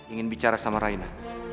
ingin bicara sama raina